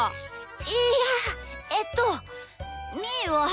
いやえっとみーは。